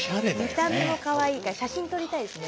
見た目もかわいいから写真撮りたいですね。